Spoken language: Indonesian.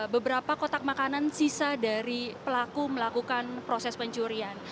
beberapa kotak makanan sisa dari pelaku melakukan proses pencurian